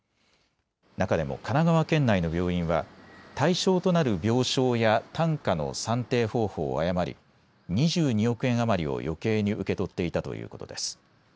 中でも神奈川県内の病院は対象となる病床や単価の算定方法を誤り２２億円余りをよけいに受け取っていたということです。